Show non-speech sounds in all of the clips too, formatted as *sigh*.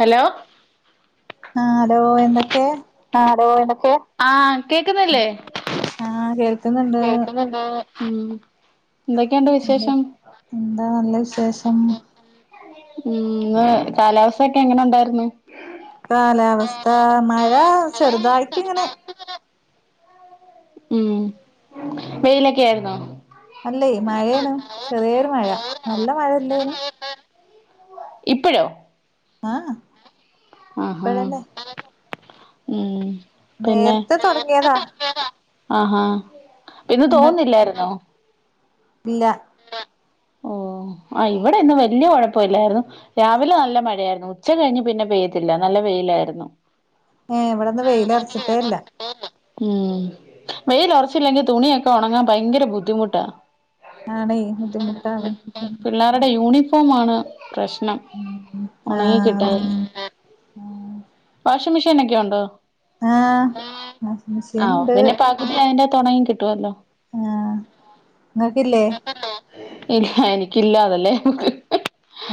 Hello ആ hello എന്തൊക്കെ ഹോ ആഹ് കേക്കുന്നില്ലേ ആ കേൾക്കുന്നുണ്ട് കേൾക്കുന്നുണ്ട് ഉം എന്തൊക്കെയുണ്ട് എന്ത വിശേഷം എന്താ നല്ല വിശേഷം മ് കാലാവസ്ഥക്കെ എങ്ങനുണ്ടായ്ർന്നു? കാലാവസ്ഥ മഴ ചെറുതായിട്ട് ഇങ്ങനെ ഉം വെയിലൊക്കെ ആണോ അല്ല മഴേനു ചെറിയൊരു മഴ നല്ല മഴ ഇല്ലേനു ഇപ്പോഴോ ആഹ ആഹഹ ഉം നേരത്തെ തുടങ്ങിയതാ ആഹഹ പിന്നെ എന്നൊക്കെ തോന്നുന്നില്ലായിുന്നോ ഇല്ല ഓ ആ് ഇവിടെയന്നും വലിയ കുഴപ്പമല്ലായിരുന്നു രാവിലെ നല്ല മഴയായിരുന്നു ഉച്ച കഴിഞ്ഞ് പിന്നെ പെയ്യത്തില്ല നല്ല വെയിലായിരുന്നു ഏ ഇവിടെന്ന് വെയില ഇറച്ചിട്ടേല്ല ഉം വെയിൽ അല്ലെങ്കിൽ തുണിയൊക്കെ ഉണങ്ങാൻ ഭയങ്കര ബുദ്ധിമുട്ടാ ആണ് പിള്ളേരുടെ യൂണിഫോം യൂണിഫോം ആണ് പ്രശ്നം ഉം ആ ഉണങ്ങി കിട്ടാൻ അതെ ആണ് മെഷീൻൊക്കെ ഉണ്ടോ ആ വാഷിങ് മെഷീൻ ആഹ് ഉണ്ട് പിന്നെ പകുതി അതിന്റെകത്ത് ഉണങ്ങി കിട്ടുമല്ലോ ആഹ നിങ്ങക്കല്ലേ ഇല്ല എനിക്കില്ല അതല്ലേ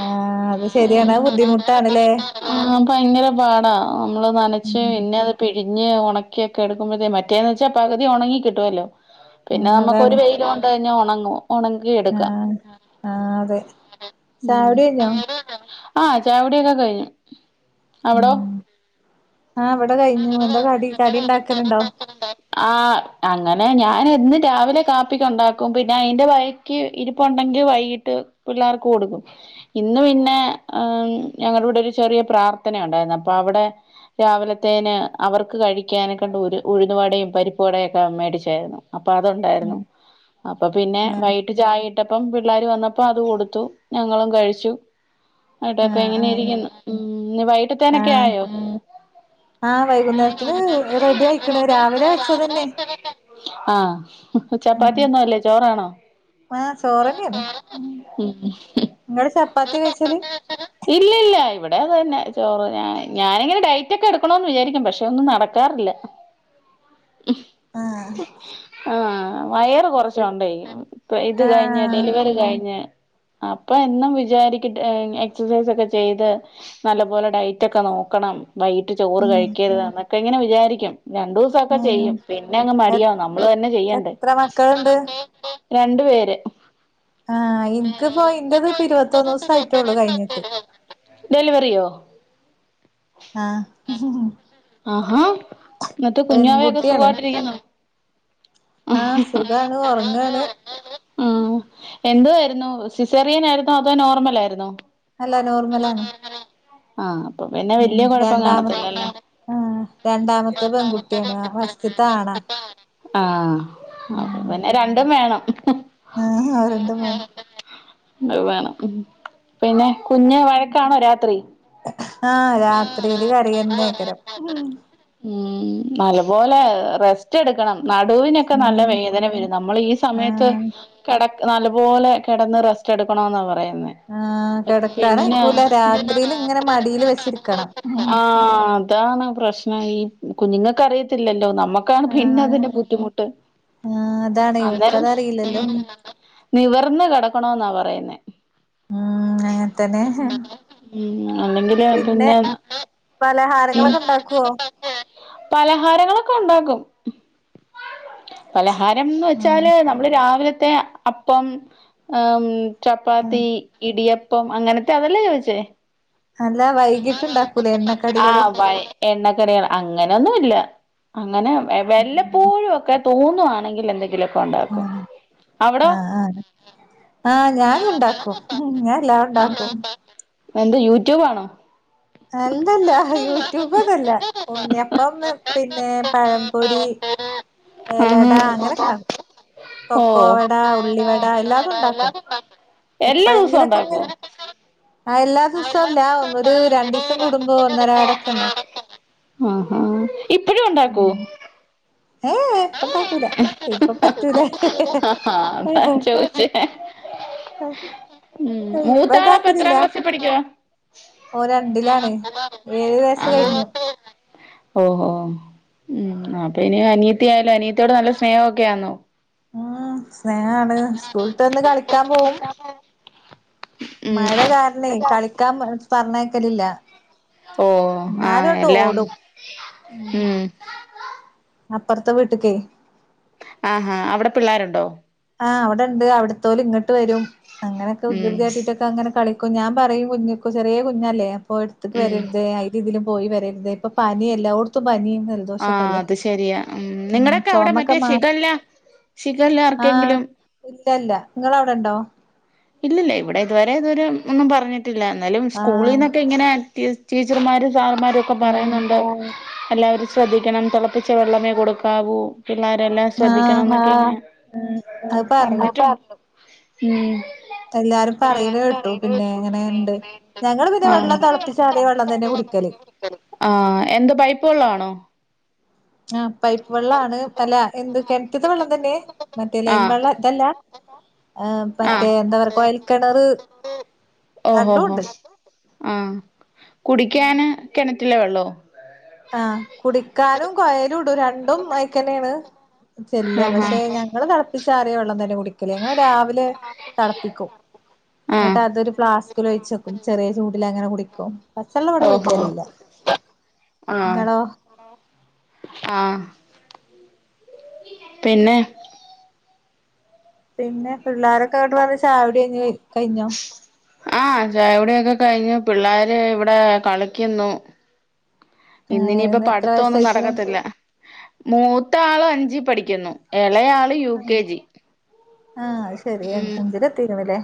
ആഹ അത് ശരിയാണ് ബുദ്ധിമുട്ടാണല്ലേ ആഹ് ഭയങ്കര പാടാ നമ്മള് നനച്ച് ഉം പിന്നെ അത് പിഴിഞ്ഞ് ഓണാക്കി *unintelligible* മറ്റേന്ന് വെച്ച പകുതി ഉണങ്ങി കിട്ടുവല്ലോ പിന്നെ ആഹ് നമ്മുക്കൊരു അതാണ് വെയിലുംണ്ട് ഒണങ്ങോ ഒണ ആഹ് ആഹ് അതെ ചായുടി *unintelligible* കഴിഞ്ഞോ ആഹ് ചായുടിയൊക്കെ കഴിഞ്ഞു അവിടോ ഉം ആ ഇവിടെ കഴിഞ്ഞു. എന്താ കടി കടി ഉണ്ടാക്കലുണ്ടോ? ആ അങ്ങനെ ഞാൻ എന്നും രാവിലെ കാപ്പിക്കൊണ്ടാക്കും പിന്നെ അയിന്റെ ബാ ക്കി ഇരിപ്പൊണ്ടെങ്കി വൈകിട്ട് പിള്ളാർക്ക് കൊടുക്കും ഇന്ന് പിന്നെ എ ഞങ്ങടിവിടെ ഒരു ചെറിയ പ്രാർത്ഥന ഒണ്ടായിരുന്നു അപ്പൊ അവിടെ രാവിലത്തേന് അവർക്ക് കഴിക്കാനെക്കൊണ്ട് ഒരു ഉഴുന്നവടേം പരിപ്പുവടേം ഒക്കെ മേടിച്ചായിരുന്നു അപ്പൊ അതുണ്ടായിരുന്നു. അപ്പൊ പിന്നെ ആഹ് വൈ വയ്യിട്ടപ്പം പിള്ളാരു വന്നപ്പ അത് കൊടുത്തു ഞങ്ങളും കഴിച്ചു ന്നിട്ടക്കെ ആഹ് ആഹ് ഇങ്ങനെരിക്കുന്നു. പിന്നെ വയ്യിട്ടത്തേനക്കെ ആഹ് ആയോ? ആഹ് വൈകുന്നേരത്തിന് റെഡി ആയിക്കണ് രാവിലെ വെച്ചതന്നെ ആ പ്പ ചപ്പാത്തിയൊന്നും അല്ലേ ചോറാണോ? ആ ചോറന്നെയാണ്. ങ്ങള് ഇല്ലില്ല ഇവിടെ- ഇവിടെ അത് തന്നെ ചോറ്, ഞാനിങ്ങനെ ഡയറ്റൊക്കെ എടുക്കണോന്ന് വിചാരിക്കും പക്ഷെ ഒന്നും നടക്കാറില്ല. ആഹ് ആ വയറ് ശരി കുറച്ചൊണ്ടേ, ഇപ്പ ഇത് കഴിഞ്ഞ്, ആഹ് ഡെലിവറി കഴിഞ്ഞ്. അപ്പ എന്നും വി വിചാരിക്കും എക്സസൈസ് ഒക്കെ ചെയ്ത് നല്ല പോലെ ഡയറ്റ് ഒക്കെ നോക്കണം. വൈകിട്ട് ചോറ് ഉം കഴിക്കരുതെന്ന്. ഒക്കെ ഇങ്ങനെ വിചാരിക്കും. രണ്ടൂസൊക്കെ ഉം ചെയ്യും പിന്നെ അങ്ങ് എത് മടിയാവും നമ്മള് തന്നെ ചെയ്യണ്ടേ. എത്ര മക്കളുണ്ട് രണ്ടു പേര്. ആ എനിക്കിപ്പോ ഇന്റേതിപ്പിരുപ ത്തൊന്നൂസം ആയിട്ടേള്ളൂ കയിഞ്ഞിട്ട്. ഡെലിവറിയോ? ആ ആആ എന്നട്ട് കുഞ്ഞാവയൊക്കെ സുഖായിട്ടിരിക്കുന്നൊ? ആ സുഖാണ് ഉറങ്ങാണ് ആ എന്തുവായിരുന്നു സിസേറിയൻ ആയിരുന്നോ അതോ നോർമൽ ആയിരുന്നോ? അല്ല നോർമലാണ്. ആ അപ്പ പിന്നെ വെല്ല്യ കൊഴപ്പം കാണത്തില്ലല്ലെ? ആ രണ്ടാമത്തെ പെങ്കുട്ടിയാണ് ഫസ്റ്റത്തെ ആണാ. ആ അപ്പ പിന്നെ രണ്ടും വേണം. ആ അവരെണ്ട പോണ് അത് വേണം പിന്നെ കുഞ്ഞ് വഴക്കാണോ രാത്രി? ആഹ് രാത്രിയില് കരിയനക്കരം ഉം ഉം നല്ലപോലെ റെസ്റ്റ് എടുക്കണം നടുവിനൊക്കെ നല്ല ഉം വേദന വരും നമ്മൾ ഈ സമയത്ത് ആഹ് കിട ന്നാലും പോലെ കിടന്ന് റസ്റ്റ് എടുക്കണന്ന് പറയാ ആഹ കിടക്കാാനക്കൂല രാത്രിയില് ഇങ്ങനെ മടില് വച്ചിരിക്കണം ഉ ആഹ് അതാണ് പ്രശ്നം ആയി കുഞ്ഞങ്ങൾക്കറിയത്തില്ലല്ലോ നമ്മ ആഹ് നമ്മുക്കാണ്പിന്നന്തിന്റെ ബുദ്ധിമുട്ട് ആഹ് അതാണ് അന്നേരം ഇവൽക്കതറിയില്ലല്ലോ നിവർന്ന് കിട നിക്കണോ ന്നാ പറയുന്നെ ഉം അങ്ങൻത്തന്നെ ഉ അല്ലെങ്കില് പിന്നെ പലഹാരങ്ങളൊക്കെ ഇണ്ടാക്കുവോ? പലഹാരങ്ങളും ക്ക ഉണ്ടാക്കും. പലഹാരംന്ന് ആഹ് വെച്ചാല് നമ്മള് രാവിലെ ത്തോ അപ്പം ഉം ആഹ് ചപ്പാത്തി ഇടിയപ്പ് പ്പം അങ്ങനത്തെ അതല്ലേ ചോദിച്ചേ അല്ല വൈകിട്ടുണ്ടാക്കൂല എണ്ണക്കടികള് ആഹ് വൈ എണ്ണക്കടികൾ അങ്ങനെൊന്നുംല്ല അങ്ങനെ വല്ലപ്പോഴും ഒക്കെ തോന്നുവാണെങ്കിൽ എന്തെങ്കിലും ആഹ് ആഹ് ആഹ് ആ ഞാൻ ഉണ്ടാക്കും ഞാൻ എല്ലാം ഉണ്ടാക്കും എന്റ യൂട്യൂബ് ആണോ അല്ലല്ല യൂട്യൂബ്ന്നുമല്ല ഉണ്ണിയപ്പം പിന്നെ പഴംപൊരി ആഹാ ഏലട അങ്ങനെയൊക്കെണ്ടാക്കും ഓ കൊക്കോവട ഉള്ളിവട എല്ലാ ടം ഉണ്ടാക്കും എല്ലാ ദിവസവും എപ്പെഴങ്കിലൊക്കെ ഉണ്ടാക്കോ അങ്ങനെ എല്ലാ ദിവസംല്ല ഒരു രണ്ടിസം കൂടുമ്പോ ഒന്നരാടൊക്കെ ഇണ്ടാക്കും ആഹാ ഇപ്പഴും ഉണ്ടാക്കോ ഏ ഏഇപ്പണ്ടാക്കൂല ഇപ്പ പറ്റൂല ആഹാ അതാ ചോദിച്ചേ ഉം ഇപ്പ മൂത്താളപ്പോ ഇണ്ടാക്കുന്നില്ല എത്രാം ക്ലാസ്സിൽ പഠിക്കുവാ ഓൻരണ്ടിലാണ് ഏഴ് വയസ് കഴിഞ്ഞു ഓ ഓ ഉം അപ്പൊ ഇനി അനി അനിത്തിയാലോ അനീത്തിനോട്നല്ല സ്നേഹമൊക്കെ ആന്നോത്തി ഉം സ്നേഹാണ് സ്കൂൾവിട്ട് വന്ന്കളിക്കാൻ പോകും *inaudible* ഉം മഴ കാരണേ കളിക്കാൻ പറഞ്ഞേക്കലില്ല ഓ ആഎല്ലാം ഓടും ഉം അപ്പറത്തെ വീട്ടിക്കേ ആ ഹാ അവിടെ പിള്ളേരുണ്ടോ ആ അവിടെണ്ടെ അവിടുത്തോലെ പോലും ഇങ്ങട്ട് വരും അങ്ങനൊക്കെ ഉം വികൃതിയാട്ടിട്ടൊക്കെ അങ്ങനെ കളി ഞാൻ പറയും കുഞ്ഞിക് ചെറിയ കുഞ്ഞല്ലേ പോയ്‌ എടുത്തിട്ടു ഉം വരരുതേ അയ് രീതിലും പോയി വരരുതേ ഇപ്പൊ പനി എല്ലാവട്ത്തും പനി ആ അത് ശരിയാ നിങ്ങടെയൊ ക്കെ അവിടെ ചൊമക്കെ മറ്റേ ഷിഖല്ല ഷിഖ ആ ഇത്തല്ല നിങ്ങടവിടുണ്ടോ ഇല്ലില്ല ഇവിടെ ഇതുവരെ ഇതു വരെ ഒന്നും പറഞ്ഞിട്ട് ട്ടില്ല എന്നാലും ആഹ് സ്കൂളീന്നൊക്കെ ഇങ്ങനെ ഈ ടീച്ചർമാരെ സാറമ്മാരൊക്കെ ആഹ് പറയുന്നുണ്ടോ എല്ലാവരും ശ്രദ്ധിക്കണം തിളപ്പിച്ച വെള്ളമേ കൊടുക്കാവൂ പിള്ളേരെല്ലാം ശ്രദ്ധിക്കണം ആഹ് എന്നൊക്ക അത് പറഞ്ഞു പറഞ്ഞിട്ടുണ്ടെ ഉം എല്ലാരും പറയുന്ന കേട്ടു പിന്നെ എങ്ങനെുണ്ട് ഞങ്ങളെ പിന്നെ ആഹ് വെള്ളം തിളപ്പിച്ചാറിയ വെള്ളം തന്നെ കുടിക്കല് ആഹ് എന്ത് പൈപ്പ് വെള്ളാണോ ആ പൈപ്പ് വെള്ളാണ് അല്ല എന്ത് കിണറ്റീത്തെ വെള്ളം തന്നെ മറ്റേ ലൈൻ ആഹ് വെള്ളം ഇതല്ല ആ മറ്റേ ആഹ് എന്താ കൊയൽകിണറു രണ്ടും ഉണ്ട് ആ കുടിയ്ക്കാനെ കിണറ്റ് കിണറ്റിലെ വെള്ളോ ആ കുടിക്കാനും കൊയലും രണ്ടും അയക്കന്നെയാണ് ചെല്ല ആഹ് പക്ഷെ ഞങ്ങളെ തിളപ്പിച്ചാറിയ വെള്ളം തന്നെ കുടിക്കല ഞങ്ങൾ രാവിലെ തെളപ്പിക്കും ആഹ് എന്നിട്ട തൊരു ഫ്ലാസ്കിലൊഴിച്ചെ ചെറിയ ചൂടിലങ്ങനെ കുടിക്കും പച്ചള്ളം ഇവിടെ ഓഹോ കുടിക്കലില്ല നിങ്ങളോ ആ പിന്നെ പിന്നെ പിള്ളോരൊക്കെ ഇങ്ങട്ടെ വന്ന് ചായ കുടി അങ്ങെ കയിഞ്ഞ് കയിഞ്ഞോ ആ ചായകുടിയൊക്കെ കയിഞ്ഞു പിള്ളരെ ഇവിടെ കളിയ്ക്കുന്നു ഇന്നിനി ഇപ്പൊ ഏഹ് എത്ര പഠിത്തൊന്നും വയസ്സായിക്ക്ണ് നടക്കത്തില്ല മൂത്ത ആളെ അഞ്ചി പഠിക്കുന്നു എ എളയാള് യു കെ ജി ആഹ് ശരി അഞ്ചില എത്തിക്ക്ണില്ലേ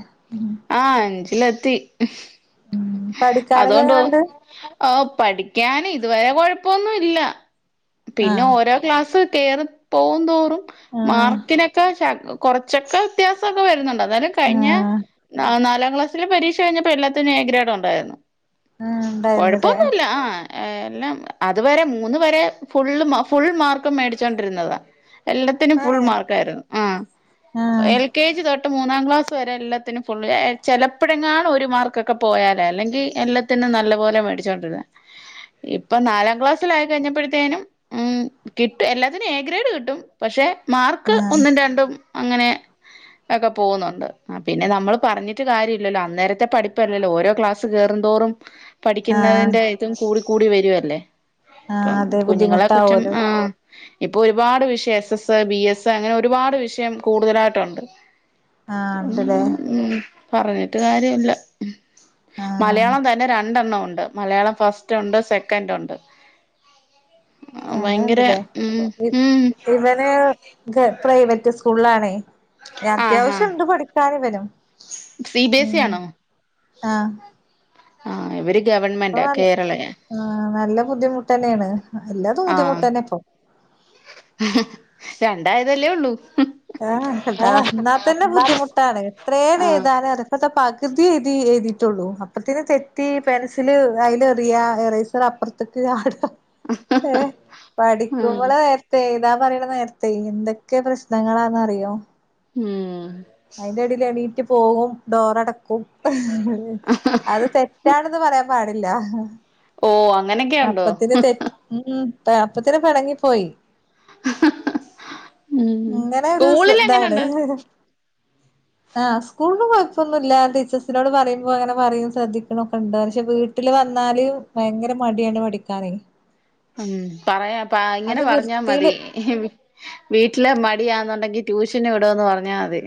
ആഹ് അഞ്ചിലത്തി ഉം പഠിക്കാനൊക്കെ അതുകൊണ്ടോ എങ്ങനെണ്ട് ആ പഠിക്കാന് ഇതുവരെ കൊഴപ്പൊന്നുല്ല പിന്നെ ആഹ് ഓരോ ക്ലാസ് കേയറി പോവു തോറും ആഹ് മാർക്കിനൊക്കെ കുറച്ചൊക്കെ വ്യത്യാസക്കെ വരുന്നുണ്ടോ എന്തലും കഴിഞ്ഞ ആഹ് ന നാല ക്ലസിൽ പരീക്ഷ കഴഞ്ഞപ്പോ എല്ലത്തിലും ഏ ഗ്രാഡോ ണ്ടായിരുന്നു ആഹ് ഇണ്ടായിരുന്നുല്ലേ കുഴപ്പൊന്നുല്ല ആ എല്ലാം അതുവരെ മൂന്ന് വരെ ഫുള് ഫുൾ മാർക്കും മേടിച്ചൊണ്ടിരുന്നതാണ് എല്ലാത്തിനും ഫുൾ ഏഹ് മാർക്കായിരുന്നു ആ ആഹ് എൽ കെ ജി തൊ മൂന്നാം ക്ലാസ് വരെല്ലത്തിനും ഫുള് ചിലപ്പോഴെങ്ങും ഒരു മാർക്കൊക്കെ പോയാൽ അല്ലെങ്കിൽ എല്ലാത്തിനും നല്ല പോോലെ മേടിച്ചൊണ്ടിരുന്ന ഇപ്പൊ നാലാം ക്ലാസ്സിലയി കഴിഞ്ഞപ്പോഴത്തേനും ഉ കിട്ടും എല്ലാത്തിനും എ ഗ്രേഡ് കിട്ടും പക്ഷെ മാർക്ക് ആഹ് ഒന്നും രണ്ടും അങ്ങനെ ഒക്കെ പോകുന്നുണ്ട് പിന്നെ നമ്മൾ പറഞ്ഞിട്ട് കാര്യല്ലല്ലോ അന്നേരത്തെ പഠിപ്പല്ലല്ലോ ഓരോ ക്ലാ കേറുന്തോറും ആഹ് പഠിക്കുന്നതിന്റെറ്റും കൂടു കൂടി വരുവല്ലേ ആഹ് അപ്പം അതെ കുഞ്ഞുങ്ങളെ കുറ്റം ബുദ്ധിമുട്ടാവോലോ ആ ഇപ്പൊ ഒരുപാട് വിഷയം എസ് എസ് ബി എസ് അങ്ങനെ ഒരുപാട് വിഷയം കൂടുതലായിട്ടുണ്ട് ആഹ് ഉ ഇണ്ട്ല്ലേ ഉ പറഞ്ഞിട്ട് കാര്യല്ല ആഹ് മലയാളം തന്നെ രണ്ടെണ്ണണം ഉ ണ്ട് മലയള ഫസ്റ്റ് ഉണ്ട് സെക്കന്റ് ഉണ്ട് ഭയങ്കര അങ്ങനെണ്ട്ല്ലേ ഉം ഉം ഇവന് പ്രൈവറ്റ് സ്കൂളാണേ ഞാൻ ആഹ് ആഹ് അത്യാവശ്യംണ്ട് പഠിക്കാനും വനും സി ബിഎസി ആണോ ആ ആ അപ്പൊ നല്ല ബുദ്ധിമുട്ടന്നെയാണ് എല്ലാതും ബുദ്ധിമുട്ട് ആഹ് തന്നെ ഇപ്പൊ രണ്ടായതല്ലേ ഉള്ളൂ ആ ആഹ് എന്നാ തന്നെ ബുദ്ധിമുട്ടാണ് എത്രോന്ന് ആഹ് എഴുതാനും ഇപ്പ തി എഴുതി എഴുതിട്ടുള്ളു അപ്പതേക് തെറ്റി പെൻസില് അയില് എറിയ ഇറൈസർ അപ്പുറത്തേക്ക് ആട *unintelligible* ഉം പറയുന്ന നേരത്തെ എന്തൊക്കെ പ്രശ്നം നങ്ങളാന്ന് അറിയോ ഉം *unintelligible* പോകും ഡോറട ക്കും അത് തെറ്റാണെന്ന് പറയാ പാടില്ല ഓ അങ്ങനൊക്കെ ഉണ്ടോ അപ്പത്തിന് തെറ്റ് ഉം അപ്പത്തിന് പിണങ്ങിപ്പോയി ഉം ഇങ്ങനെ ഒരു സ്കൂളിൽ ഇതാണ് എങ്ങനുണ്ട് ആ സ്കൂളില് കുഴപ്പമൊന്നുമില്ല. ടീച്ചേഴ്സിനോട് പറയുമ്പോ അങ്ങനെ പറയും ശ്രദ്ധിക്കണ ഒക്കെ ഇണ്ട് പക്ഷെ വീട്ടില് വന്നാല് ഭയങ്കര മടിയാണ് പഠിക്കാന് ഉം പറയാപ്പ ഇങ്ങനെ പറഞ്ഞാ മതി വൃത്തിയില് വീട്ടിലെ മ *unintelligible* ട്യൂഷന് വിടുവെന്ന് പറഞ്ഞമതി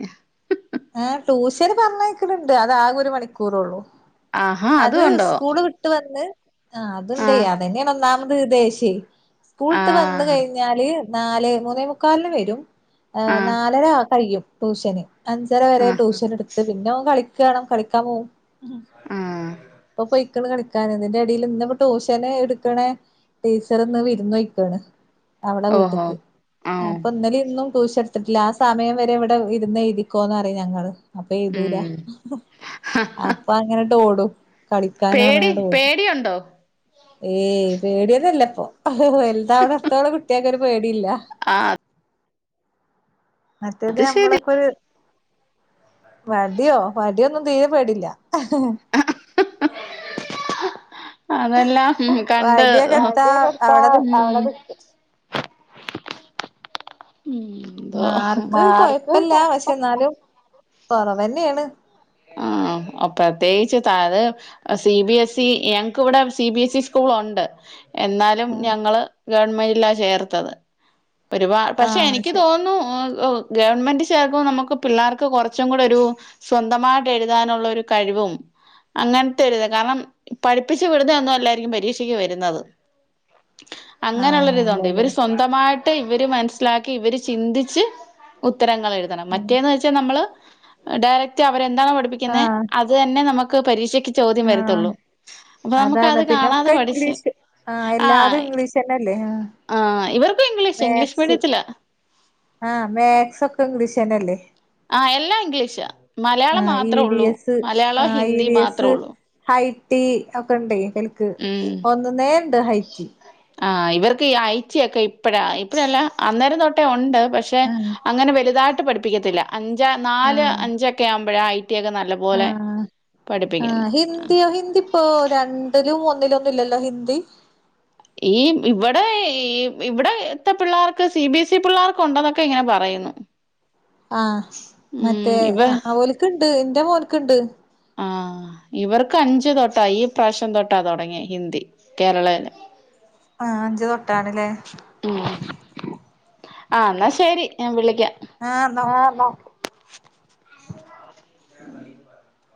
ആ ട്യൂഷന് പറഞ്ഞയിക്കാലുണ്ട് അതാകെ ഒരു മണിക്കൂറ ഉള്ളൂ ആഹാ അത് അതും ഉണ്ടോ സ്കൂള് വിട്ട് വന്ന് ആ അതുഉണ്ടേ ആഹ് അതന്നെയാ ഒന്നാ വിദേശി സ്കൂള്‌ട്ട് വന്ന് ആഹ് കഴിഞ്ഞാല് നാലെ മൂന്നേ മുക്കാലന് വരും ഏ ആഹ് നാലര കഴിയും ട്യൂഷന് അഞ്ചര വരെ ആഹ് ട്യൂഷൻ എടുത്ത് പിന്നെ ഓൻ കളിക്ക *unintelligible* ഉം ആഹ് അപ്പ പോയി *unintelligible* അവിടെ ഓഹോ വീട്ട്ക്ക് ഞാൻ ആഹ് ഇപ്പൊ ഇന്നലെം ഇന്നും ടൂഷനെ ലാ സമയം വരെ ഇവിടെ ഇരുന്നെഴുതി ക്കോന്ന് പറിയ ഞങ്ങള് അപ്പൊ എഴുതൂല ഉം അപ്പൊ അങ്ങനെട്ട് ഓടും പേടി കളിക്കാനാർഞ്ഞ്ങ്ങാണ്ട് ഓടും പേടിയൊണ്ടോ ഏയ് പേടിയതല്ലേ ഹ് ഹ് വലുതാവുന്നിടത്തോളം കുട്ടിയൊക്കെ ഒരു പേടി ഇല്ല ആഹ് മറ്റേത് അത് ശരി നമ്മളക്കൊര് വട്യോ വടിയൊന്നും തീരെ പേടില്ല ഹ്ഹ ഹ്ഹ ഹ് അതെല്ലാം കണ്ട് വടിയൊക്കെ എടുത്താ അവിടെ നിക്കും എന്തോ മാർക്ക് കൊഴപ്പല്ല പക്ഷെ ഇന്നാലും കൊറവെന്നേണ് ആഹ് പ്രത്യേകിച്ച് തത് സി ബിഎസ് ഇ ഞങ്ങ്ക്ക് ഇവടെ C B S E school ഒണ്ട് എന്നാലും ഞങ്ങള് ഗവൺമെന്റ്ലാ ചേർത്തത് പരിപാ പക്ഷെ ആഹ് എനിക്ക് ശരി തോന്ന്ന്നു ഹ് ഗവൺമെന്റ് ചേർക്ക്മ്പ നമക്ക് പിള്ളേർക്ക് കൊറച്ചും കൂടെ ഒരു സ്വന് ന്തമായിട്ട് എഴുതാനുള്ള ഒരു കഴിവും അങ്ങൻത്തെ ഒരു കാരണം പഠിപ്പിച്ചു വിടുന്ന ഒന്നും അല്ലായിരിക്കും പരീക്ഷക്ക് വെരുന്നത് ആഹ് അങ്ങനെയുള്ളരിതൊണ്ട് ഇവര് അല്ലല്ലേ സ്വന്തമായി ഇവര് മനസ്സിലാക്കി ഇവര് ചിന്തിച്ച് ഉ ഉത്തരങ്ങൾ എഴുതണം മറ്റേന്ന് വെച്ചാൽ നമ്മള് ഡയറക് ക്ട് അവരെ എന്താണൊ പഠിപ്പിക്കുന്നെ ആഹ് അത് തന്നെ നമു ക്ക് പരീക്ഷയ് ചോദ്യം ആഹ് വരുത്തുള്ളൂ അപ്പൊ നമുക്ക് അതാണ് അത് പിന്നെ കാണാതെ ഒക്കെ പഠിച്ച് ഇംഗ്ലീഷ് ആഹ് ആ എല്ലാതും ഇംഗ്ലീഷന്നല്ലേ ആഹ് ആ ഇവർക്കും ഇംഗ്ലീഷ് ഇംഗ്ലീഷ് മാത്സ് മീഡിയത്തിലാ ആഹ് മാത്സ് ഒക്കെ ഇംഗ്ലീഷന്നല്ലേ ആ എല്ലാം ഇംഗ്ലീഷാ മലയാളം ആഹ് ഇ മാത്രേ വി ഒള്ളൂ എസ് മലയാളം ഹിന്ദി മാത്രേ ഒള്ളു ടി അയ്ഒക്കെ ഇണ്ട് ഒൽക്ക് ഒന്ന് നേണ്ട് ഹൈറ്റി ആ ഇവർക്ക് ഈ ഐ റ്റിയൊക്കെ ഇപ്പഴാ ഇപ്പഴല്ല അന്നേരം തൊട്ടേ ഉണ്ട് പക്ഷെ ആഹ് അങ്ങനെ വലുതായി പഠിപ്പിക്കത്തില്ല അഞ്ച നാല് അഞ്ചൊക്കെ ആവുമ്പം *unintelligible* ആ ആ ആ ഹിന്ദിയോ ഹിന്ദിപ്പൊ രണ്ടില് മൂ ന്നിലൊന്നും ഇല്ലല്ലോ ഹിന്ദി ഈ ഇവിടെ ഇവിടെത്തെ പിള്ളേർക്ക് സി ബി എസ് ഇ പിള്ളേർക്ക് ഉണ്ടെന്നൊക്കെ ഇങ്ങനെ പറയുന്നു ആ ഉം മറ്റേ ഇവ അവലക്ക് ഉണ്ട് എന്റെ മോൾക്കുണ്ട് ആ ഇവർക്ക് അഞ്ച് തൊട്ടാ ഈ പ്രാവശ്യം തൊട്ടാ തുടങ്ങിയെ ഹിന്ദി കേരളേലേ ആ അഞ്ച് തൊട്ടാണല്ലേ ഉം ആ എന്നാ ശരി ഞാൻ വിളി ആഹ് ഇന്നാ ഓക്കെ ക്കാം ആ *unintelligible*